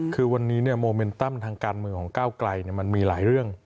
คือวันนี้โมเมนตัมทางการเมืองของก้าวไกลมันมีหลายเรื่อง